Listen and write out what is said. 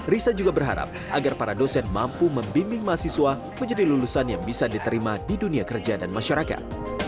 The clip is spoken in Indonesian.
risa juga berharap agar para dosen mampu membimbing mahasiswa menjadi lulusan yang bisa diterima di dunia kerja dan masyarakat